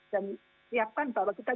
dan siapkan bahwa kita